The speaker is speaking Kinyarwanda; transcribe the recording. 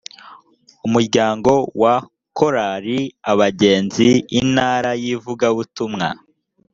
umuryango wa korali abagenzi intara y ivugabutumwa